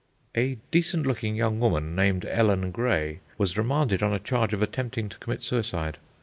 A decent looking young woman, named Ellen Gray, was remanded on a charge of attempting to commit suicide.